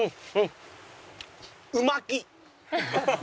う巻き！